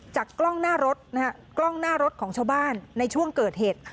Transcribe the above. จากกล้องหน้ารถของชาวบ้านในช่วงเกิดเหตุ